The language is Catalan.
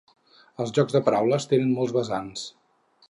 Els jocs de paraules tenen molts vessants.